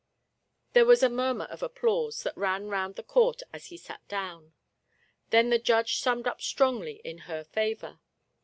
" There was a murmur of applause that ran round the court as he sat down. Then the judge summed up strongly in her favor.